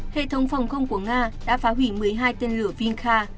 hệ thống phòng không của nga đã phá hủy một mươi hai tên lửa vinfa